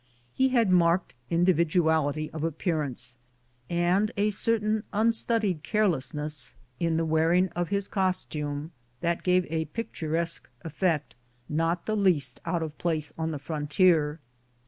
He had marked indi viduality of appearance, and a certain unstudied care lessness in the wearing of his costume that gave a pict uresque effect, not the least out of place on the frontier.